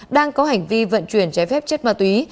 đang có hành vi vận chuyển trái phép chất ma túy